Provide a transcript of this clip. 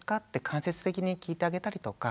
間接的に聞いてあげたりとか。